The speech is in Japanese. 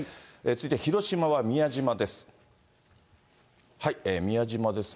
続いては広島は宮島です。